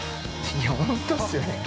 ◆いや、本当っすよね。